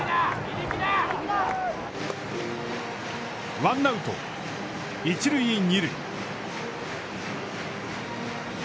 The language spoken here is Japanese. ワンアウト、一塁二塁。